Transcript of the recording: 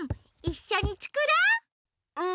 いっしょにつくろう！